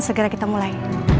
segera kita mulai